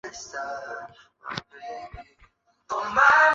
部份消费者反应手机使用一年后萤幕触控容易有故障的情况。